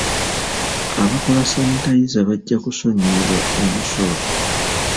Abakola sanitayiza bajja kusonyiyibwa omusolo.